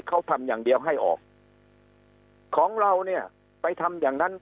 เขาทำอย่างเดียวให้ออกของเราเนี่ยไปทำอย่างนั้น